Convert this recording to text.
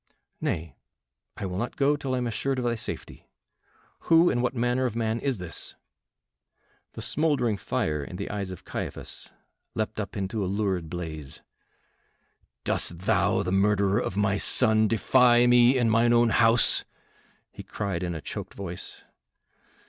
"Nay, I will not go till I am assured of thy safety. Who, and what manner of man is this?" The smouldering fire in the eyes of Caiaphas leapt up into a lurid blaze. "Dost thou, the murderer of my son, defy me in mine own house?" he cried in a choked voice.